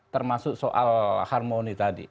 termasuk soal harmoni tadi